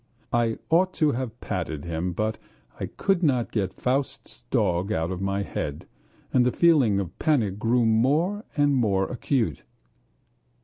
I ought to have patted him, but I could not get Faust's dog out of my head, and the feeling of panic grew more and more acute...